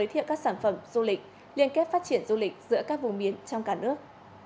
hiệu các sản phẩm du lịch liên kết phát triển du lịch giữa các vùng miến trong cả nước